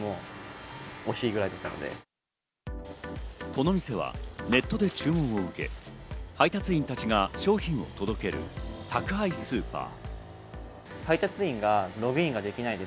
この店はネットで注文を受け、配達員たちが商品を届ける宅配スーパー。